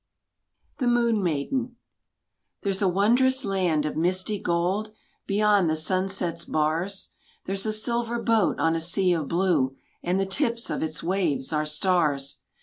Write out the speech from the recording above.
The Moon Maiden There's a wondrous land of misty gold Beyond the sunset's bars. There's a silver boat on a sea of blue, And the tips of its waves are stars.